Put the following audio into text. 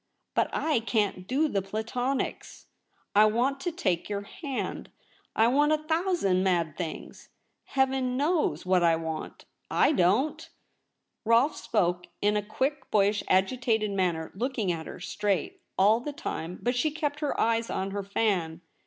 But / can't do the Platonics. I want to take your hand — I want a thousand VOL. I. 15 226 THE REBEL ROSE. mad things — Heaven knows what I want ;/ don't !' Rolfe spoke in a quick, boyish, agitated manner, looking at her straight all the time, but she kept her eyes on her fan.